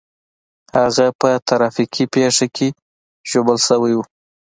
هغه په ټرافيکي پېښه کې ژغورل شوی و